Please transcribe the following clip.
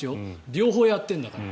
両方やってるんだから。